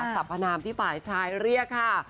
สรรพนามที่ฝ่ายชายเรียกค่ะ